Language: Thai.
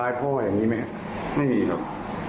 อันนี้ครับ